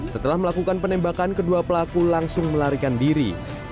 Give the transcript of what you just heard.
setelah melakukan penembakan kedua pelaku langsung melarikan diri